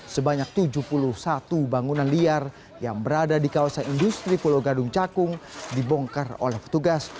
sebanyak tujuh puluh satu bangunan liar yang berada di kawasan industri pulau gadung cakung dibongkar oleh petugas